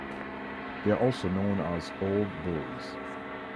They are also known as 'Old Boys'.